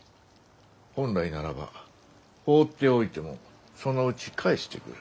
本来ならば放っておいてもそのうち返してくる。